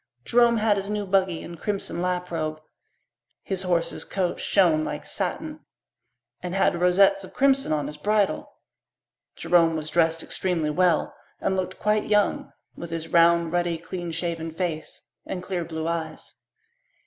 Jerome had his new buggy and crimson lap robe. His horse's coat shone like satin and had rosettes of crimson on his bridle. Jerome was dressed extremely well and looked quite young, with his round, ruddy, clean shaven face and clear blue eyes.